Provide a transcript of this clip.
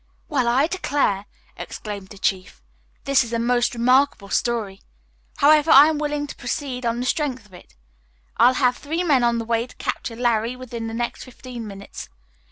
"Well, I declare!" exclaimed the chief. "This is a most remarkable story. However, I am willing to proceed on the strength of it. I'll have three men on the way to capture 'Larry' within the next fifteen minutes.